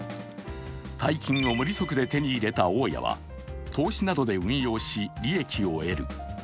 大金を無利息で手に入れた大家は投資などで運用し、利益を得る。